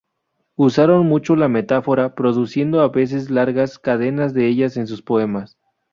Usaron mucho la metáfora, produciendo a veces largas cadenas de ellas en sus poemas.